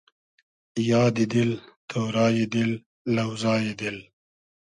یادی دېل، تۉرای دیل، لۆزای دیل